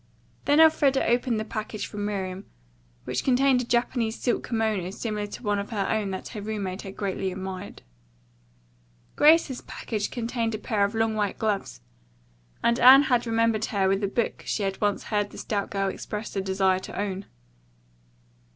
Then Elfreda opened the package from Miriam, which contained a Japanese silk kimono similar to one of her own that her roommate had greatly admired. Grace's package contained a pair of long white gloves, and Anne had remembered her with a book she had once heard the stout girl express a desire to own.